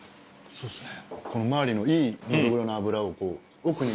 そうですね。